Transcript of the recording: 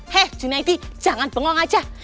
hei junaidi jangan bengong aja